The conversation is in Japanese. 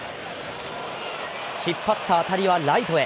引っ張った当たりはライトへ。